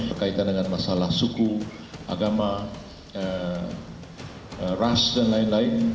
berkaitan dengan masalah suku agama ras dan lain lain